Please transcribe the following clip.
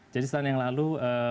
jadi setahun yang lalu